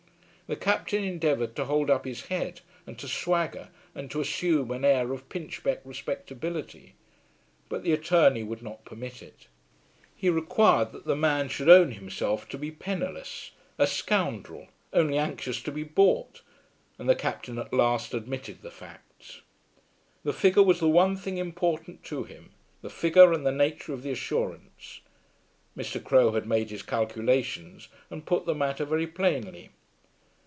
The Captain endeavoured to hold up his head, and to swagger, and to assume an air of pinchbeck respectability. But the attorney would not permit it. He required that the man should own himself to be penniless, a scoundrel, only anxious to be bought; and the Captain at last admitted the facts. The figure was the one thing important to him, the figure and the nature of the assurance. Mr. Crowe had made his calculations, and put the matter very plainly.